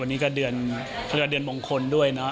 วันนี้ก็เดือนเขาเรียกว่าเดือนมงคลด้วยเนาะ